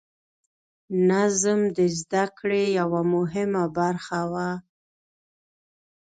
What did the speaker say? نظم د زده کړې یوه مهمه برخه وه.